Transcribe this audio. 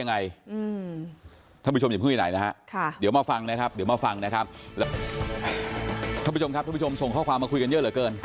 นะฮะค่ะเดี๋ยวมาฟังนะครับเดี๋ยวมาฟังนะฮะทุกผู้ชมครับทุกผู้ชมส่งข้อความมาคุยกันเยอะเหลือเกิน